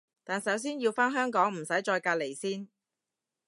但首先要返香港唔使再隔離先